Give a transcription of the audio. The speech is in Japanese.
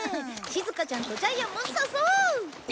しずかちゃんとジャイアンも誘おう！